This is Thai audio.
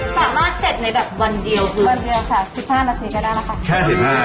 สามารถเสร็จในแบบวันเดียว